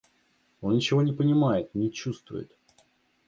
Он ничего не понимает, не чувствует.